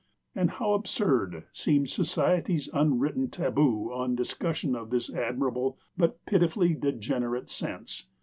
And how absurd seemed society's unwritten taboo on discussion of this admirable but pitifully degenerate sense!